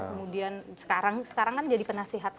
kemudian sekarang kan jadi penasihat